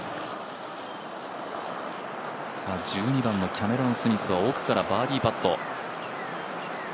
１２番のキャメロン・スミスは奥からバーディーパット。